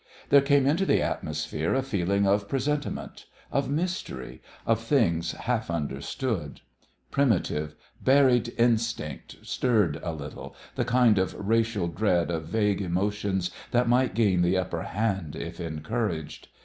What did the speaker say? There came into the atmosphere a feeling of presentiment, of mystery, of things half understood; primitive, buried instinct stirred a little, the kind of racial dread of vague emotions that might gain the upper hand if encouraged.